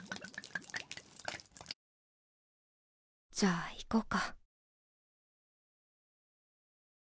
じゃあ行こうか。